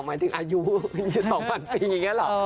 หมายถึงอายุ๒๐๐ปีอย่างนี้หรอ